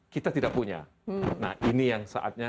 kita tidak punya nah ini yang saatnya